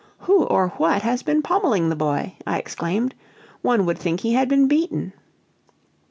"Who or what has been pommeling the boy?" I exclaimed; "one would think he had been beaten."